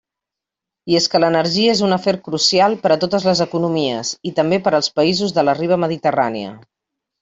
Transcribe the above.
I és que l'energia és un afer crucial per a totes les economies i també per als països de la riba mediterrània.